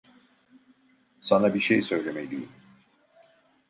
Sana bir şey söylemeliyim.